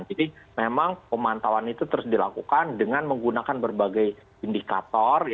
jadi memang pemantauan itu terus dilakukan dengan menggunakan berbagai indikator